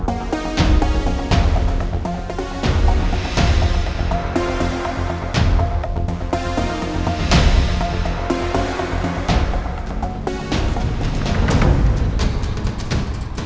aku sudah merasa sekarang makin degresif aja